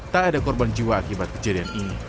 tak ada korban jiwa akibat kejadian ini